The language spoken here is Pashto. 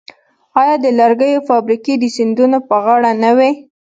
آیا د لرګیو فابریکې د سیندونو په غاړه نه وې؟